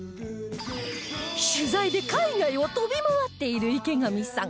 取材で海外を飛び回っている池上さん